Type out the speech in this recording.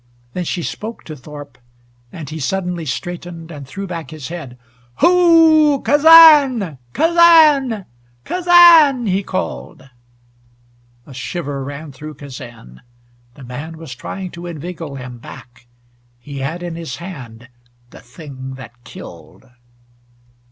Then she spoke to Thorpe and he suddenly straightened and threw back his head. "H o o o o Kazan Kazan Kazan!" he called. A shiver ran through Kazan. The man was trying to inveigle him back. He had in his hand the thing that killed.